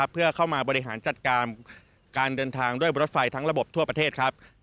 เพื่อเข้ามาบริหารจัดการการเดินทางด้วยรถไฟทั้งระบบทั่วประเทศครับ